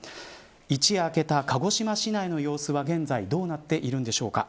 一夜明けた鹿児島市内の様子は現在どうなっているんでしょうか。